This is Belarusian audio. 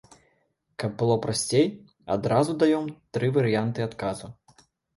Каб было прасцей, адразу даём тры варыянты адказу.